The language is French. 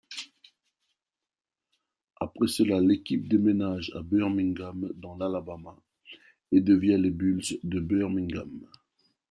Après cela, l'équipe déménage à Birmingham dans l'Alabama et devient les Bulls de Birmingham.